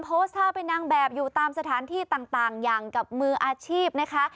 โพสต์ท่าเป็นนางแบบอยู่ตามสถานที่ต่างอย่างกับมืออาชีพนะคะ